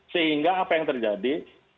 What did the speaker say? sehingga apa yang terjadi